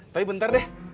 tapi bentar deh